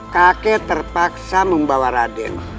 kakek terpaksa membawa raden